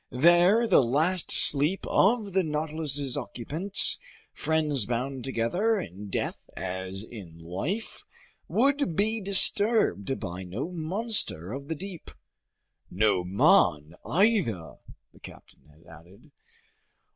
There the last sleep of the Nautilus's occupants, friends bound together in death as in life, would be disturbed by no monster of the deep! "No man either!" the captain had added.